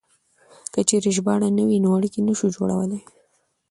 که چېرې ژباړه نه وي نو اړيکې نه شو جوړولای.